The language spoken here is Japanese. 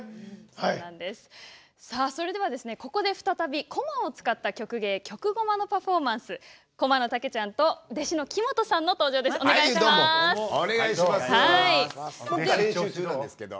それでは、ここで再びこまを使った曲芸曲ごまのパフォーマンスこまのたけちゃんと弟子の木本さんの登場です。